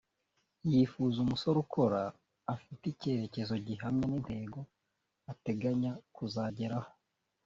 yifuza umusore ukora afite icyerekezo gihamye n’intego ateganya kuzageraho